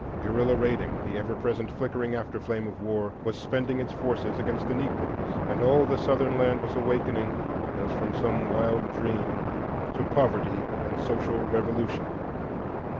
Guerrilla raiding, the ever present flickering after flame of war, was spending its forces against the Negroes, and all the Southern land was awakening as from some wild dream to poverty and social revolution.